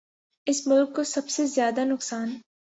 اس ملک کو سب سے زیادہ نقصان